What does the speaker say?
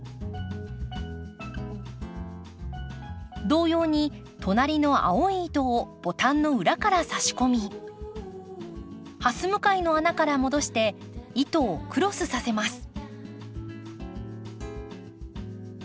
同様に隣の青い糸をボタンの裏から差し込みはす向かいの穴から戻して糸をクロスさせます。